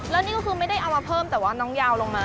แล้วนี่ก็คือไม่ได้เอามาเพิ่มแต่ว่าน้องยาวลงมา